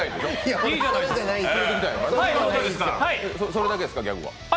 それだけですかギャグは。